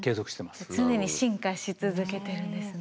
常に進化し続けてるんですね。